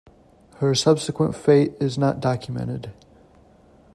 Her subsequent fate is not documented.